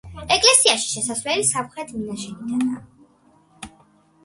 ეკლესიაში შესასვლელი სამხრეთ მინაშენიდანაა.